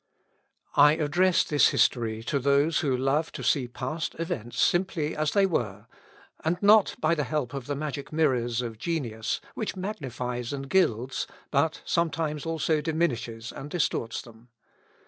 I address this history to those who love to see past events simply as they were, and not by the help of the magic mirror of genius, which magnifies and gilds, but sometimes also diminishes and distorts them.